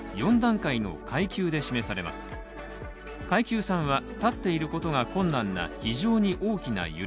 階級３は、立っていることが困難な非常に大きな揺れ。